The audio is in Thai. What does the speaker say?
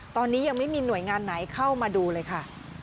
ตอนนี้ยังไม่มีหน่วยงานไหนเข้ามาดูเลยค่ะ